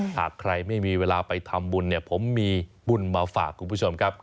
หากใครไม่มีเวลาไปทำบุญเนี่ยผมมีบุญมาฝากคุณผู้ชมครับ